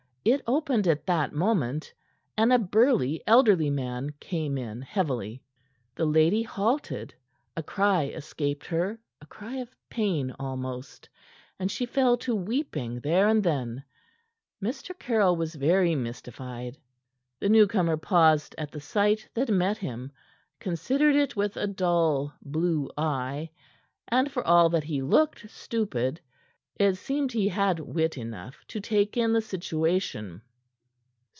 It opened at that moment, and a burly, elderly man came in heavily. The lady halted, a cry escaped her a cry of pain almost and she fell to weeping there and then. Mr. Caryll was very mystified. The newcomer paused at the sight that met him, considered it with a dull blue eye, and, for all that he looked stupid, it seemed he had wit enough to take in the situation.